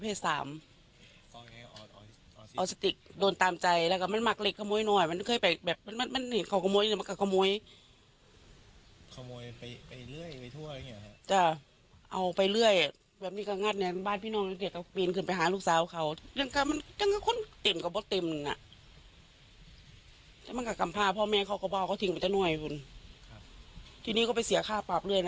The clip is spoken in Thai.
ฟังเสียงป้าของผู้ก่อเหตุหน่อยค่ะ